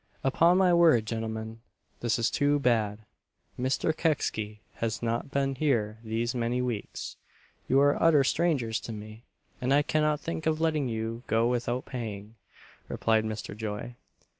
"Upon my word, gentlemen, this is too bad Mr. Kecksy has not been here these many weeks; you are utter strangers to me, and I cannot think of letting you go without paying," replied Mr. Joy.